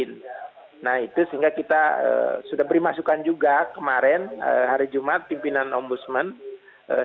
nah itu sehingga kita sudah beri masukan juga kemarin hari jumat pimpinan ombudsman